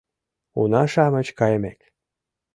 Уна-шамыч кайымек